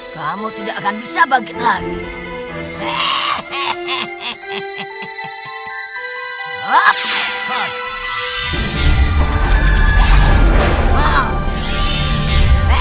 kamu tidak akan bisa bangkit lagi